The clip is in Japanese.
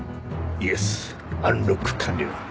イエスアンロック完了。